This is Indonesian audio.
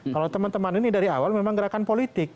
kalau teman teman ini dari awal memang gerakan politik